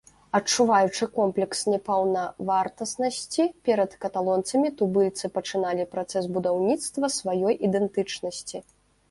Адчуваючы комплекс непаўнавартаснасці перад каталонцамі, тубыльцы пачыналі працэс будаўніцтва сваёй ідэнтычнасці.